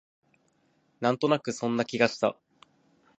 なんとなくそんな気がした